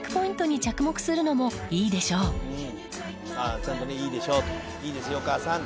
ちゃんとねいいでしょうって。